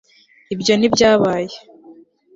ibyo ntibyabaye